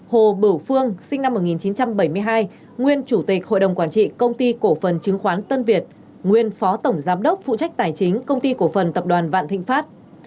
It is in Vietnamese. hai hồ bửu phương sinh năm một nghìn chín trăm bảy mươi hai nguyên chủ tịch hội đồng quản trị công ty cổ phần chứng khoán tân việt nguyên phó tổng giám đốc phụ trách tài chính công ty cổ phần tập đoàn vạn thịnh pháp